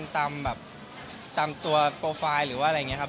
ก็ไม่นะครับเขาก็เลือกตามตัวโปรไฟล์หรือว่าอะไรอย่างเงี้ยครับ